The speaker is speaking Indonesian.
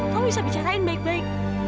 kamu bisa bicarain baik baik